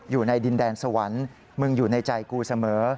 อยู่ในดินแดนสวรรค์มึงอยู่ในใจกูเสมอ